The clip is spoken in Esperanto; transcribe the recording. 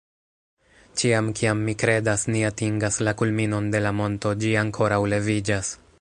Ĉiam kiam mi kredas ni atingas la kulminon de la monto, ĝi ankoraŭ leviĝas